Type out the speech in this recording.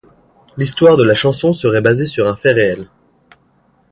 L'histoire de la chanson serait basée sur un fait réel.